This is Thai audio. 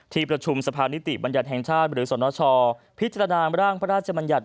ที่ประชุมสภานิติบัญญัติแห่งชาติหรือสนชพิจารณาร่างพระราชมัญญัติ